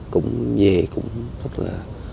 cũng về cũng rất là